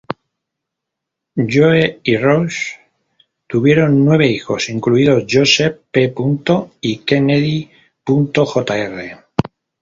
Joe y Rose tuvieron nueve hijos, incluidos Joseph P. Kennedy, Jr.